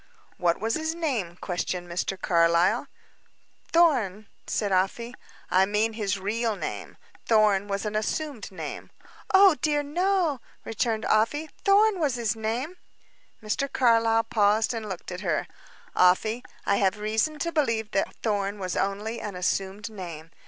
"What was his name?" questioned Mr. Carlyle. "Thorn," said Afy. "I mean his real name. Thorn was an assumed name." "Oh, dear no," returned Afy. "Thorn was his name." Mr. Carlyle paused and looked at her. "Afy, I have reason to believe that Thorn was only an assumed name.